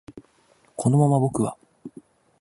このまま僕は